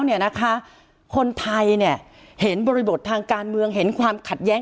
เนี่ยนะคะคนไทยเนี่ยเห็นบริบททางการเมืองเห็นความขัดแย้ง